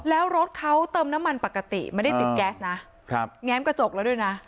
แล้วรถเขาเติมน้ำมันปกติไม่ได้ติดแก๊สนะครับแง้มกระจกแล้วด้วยนะ